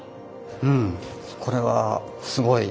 うんこれはすごい。